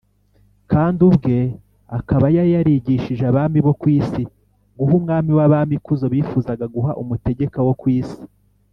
kandi ubwe akaba yari yarigishije abami bo ku isi guha umwami w’abami ikuzo bifuzaga guha umutegeka wo ku isi,